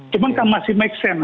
cuma kan masih make sense